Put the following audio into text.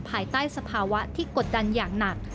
ภายใต้สภาวะที่กดดันอย่างหนัก